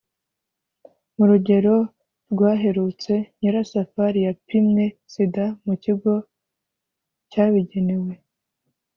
mu rugero rwaherutse, nyirasafari yapimwe sida mu kigo cyabigenewe.